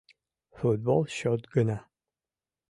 Футбол счёт гына.